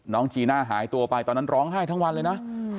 จีน่าหายตัวไปตอนนั้นร้องไห้ทั้งวันเลยนะ